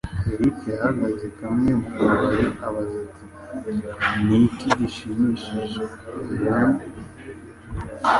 Eric yahagaze kuri kamwe mu kabari, abaza ati: "Niki gishimishije Ma'am?"